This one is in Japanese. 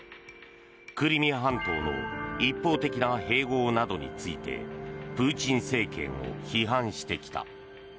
クリミア半島の一方的な併合などについてプーチン政権を批判してきた。